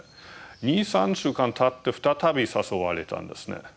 ２３週間たって再び誘われたんですね。